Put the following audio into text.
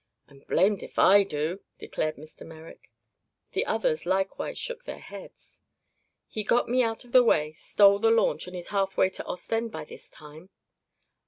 "I'm blamed if I do," declared Mr. Merrick. The others likewise shook their heads. "He got me out of the way, stole the launch, and is half way to Ostend by this time."